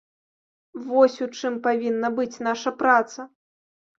Вось у чым павінна быць наша праца.